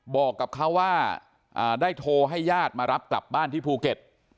บอกกับเขาว่าได้โทรให้ญาติมารับกลับบ้านที่ภูเก็ต